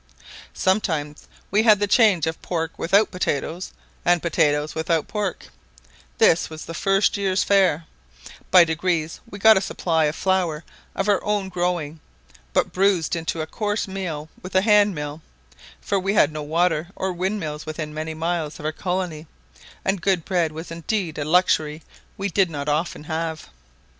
Sometimes we had the change of pork without potatoes, and potatoes without pork; this was the first year's fare: by degrees we got a supply of flour of our own growing, but bruised into a coarse meal with a hand mill; for we had no water or windmills within many miles of our colony, and good bread was indeed a luxury we did not often have.